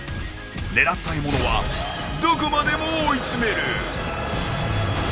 狙った獲物はどこまでも追い詰める。